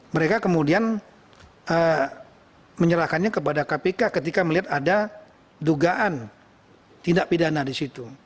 mereka kemudian menyerahkannya kepada kpk ketika melihat ada dugaan tindak pidana di situ